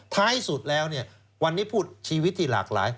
ท้ายสุดแล้วเนี่ยวันนี้พูดชีวิตที่หลากหลาย